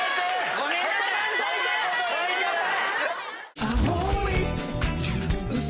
ごめんなさい。